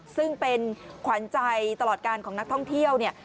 ซึ่งเป็นขวัญใจตลอดการของนักท่องเที่ยวเนี่ย